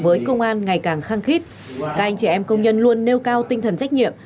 với công an ngày càng khăng khít các anh trẻ em công nhân luôn nêu cao tinh thần trách nhiệm